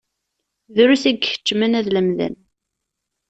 Drus i ikeččmen ad lemden.